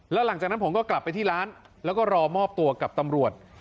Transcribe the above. แล้วหลังจากนั้นผมก็กลับไปที่ร้านแล้วก็รอมอบตัวกับตำรวจ